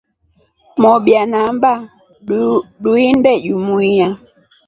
Mobya naamba tuinde jumuiya.